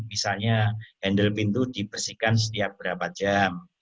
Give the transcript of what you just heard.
misalnya handle pintu dibersihkan setiap berapa jam